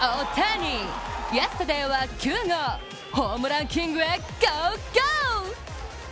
イエスタデーは９号ホームランキングへ、ゴーゴー！